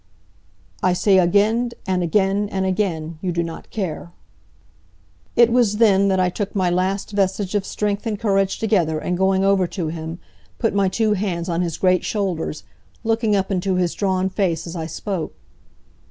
"I say again, and again, and again, you do not care." It was then that I took my last vestige of strength and courage together and going over to him, put my two hands on his great shoulders, looking up into his drawn face as I spoke.